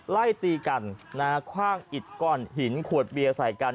ไล่ตีกันนะฮะคว่างอิดก้อนหินขวดเบียร์ใส่กัน